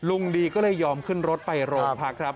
ลุงดีก็เลยยอมขึ้นรถไปโรงพักครับ